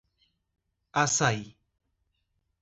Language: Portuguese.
Assaí